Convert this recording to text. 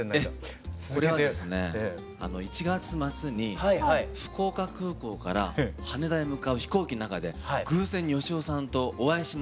これはですね１月末に福岡空港から羽田へ向かう飛行機の中で偶然芳雄さんとお会いしまして。